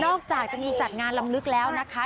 จากจะมีจัดงานลำลึกแล้วนะคะ